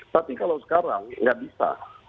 tapi kalau sekarang nggak bisa